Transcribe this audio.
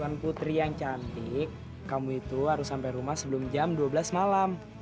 bukan putri yang cantik kamu itu harus sampai rumah sebelum jam dua belas malam